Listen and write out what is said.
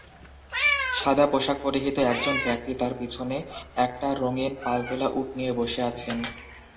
সাদা পোশাক পরিহিত একজন ব্যক্তি তার পিছনে একটা রঙিন পালতোলা উট নিয়ে বসে আছেন।